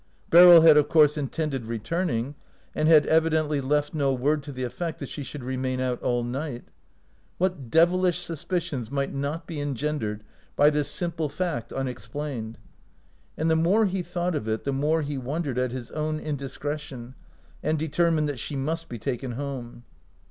Beryl had of course intended returning, and had evidently left no word to the effect that she should remain out all night. What devilish suspicions might not be engendered by this simple fact unexplained? And the more he thought of it the more he wondered at his own indiscretion, and determined that she must be taken home.